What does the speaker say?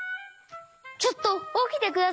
ちょっとおきてください！